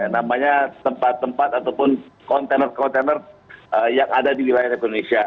namanya tempat tempat ataupun kontainer kontainer yang ada di wilayah indonesia